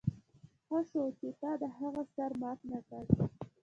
ښه شو چې تا د هغه سر مات نه کړ